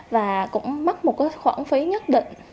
và cũng mắc một khoản phí nhất định